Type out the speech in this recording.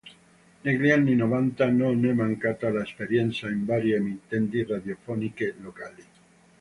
Negli anni novanta non è mancata l'esperienza in varie emittenti radiofoniche locali.